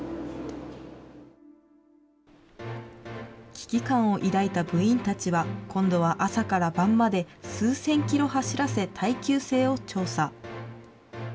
危機感を抱いた部員たちは、今度は朝から晩まで、数千キロ走らせ、耐久性を調査。